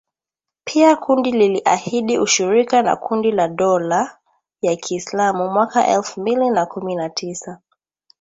Pia kundi liliahidi ushirika na kundi la dola ya kiislamu mwaka elfu mbili na kumi na tisa